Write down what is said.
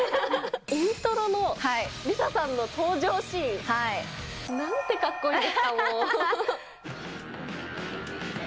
イントロのリサさんの登場シーン。なんてかっこいいんですか、もう。